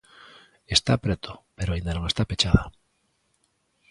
Está preto, pero aínda non está pechada.